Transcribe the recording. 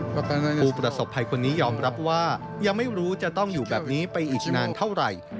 ผู้ประสบภัยคนนี้ยอมรับว่ายังไม่รู้จะต้องอยู่แบบนี้ไปอีกนานเท่าไหร่